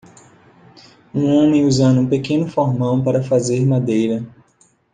Um homem usando um pequeno formão para fazer madeira.